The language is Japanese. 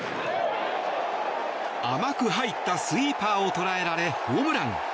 甘く入ったスイーパーを捉えられホームラン。